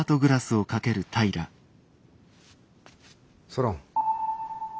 ソロン。